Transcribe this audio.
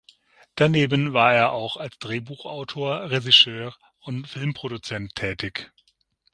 Daneben war er auch als Drehbuchautor, Regisseur und Filmproduzent tätig.